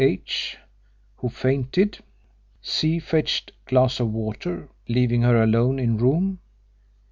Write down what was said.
H , who fainted. C. fetched glass of water, leaving her alone in room.